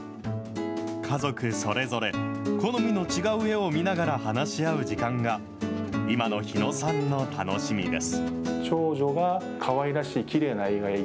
家族それぞれ、好みの違う絵を見ながら話し合う時間が、今の日野さんの楽しみです。